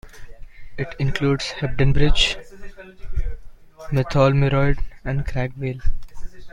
It includes Hebden Bridge, Mytholmroyd and Cragg Vale.